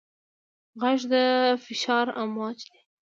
غږ د فشار امواج دي.